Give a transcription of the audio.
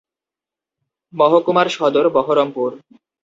মহকুমার সদর বহরমপুর।